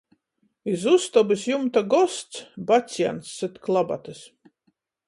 Iz ustobys jumta gosts! Bacjans syt klabatys.